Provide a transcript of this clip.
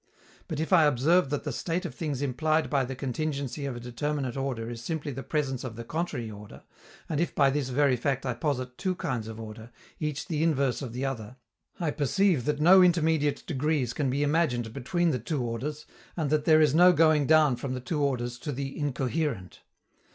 But if I observe that the state of things implied by the contingency of a determinate order is simply the presence of the contrary order, and if by this very fact I posit two kinds of order, each the inverse of the other, I perceive that no intermediate degrees can be imagined between the two orders, and that there is no going down from the two orders to the "incoherent."